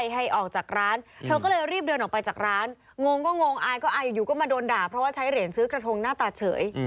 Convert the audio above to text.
ให้เหรียญซื้อกระทงหน้าตาเฉย